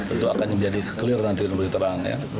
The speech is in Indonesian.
itu akan menjadi clear nanti nanti terang ya